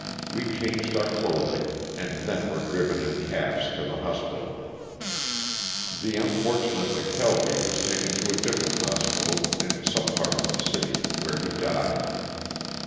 We changed our clothing and then were driven in cabs to the hospital. The unfortunate McKelvy was taken to a different LOSS OF THE SULTANA. 177 hospital, in some part of the city, where he died.